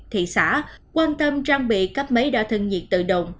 thị xã quan tâm trang bị cấp máy đo thân nhiệt tự động